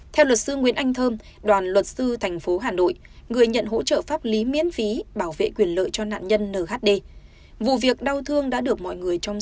theo luật sư nguyễn anh thơm đoàn luật sư thành phố hà nội người nhận hỗ trợ pháp lý miễn phí bảo vệ quyền lợi cho nạn nhân nhd vụ việc đau thương đã được mọi người trong gia đình